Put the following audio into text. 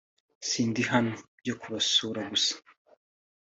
sindi hano byo kubasura gusa